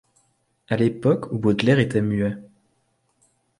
À l’époque où Baudelaire était muet.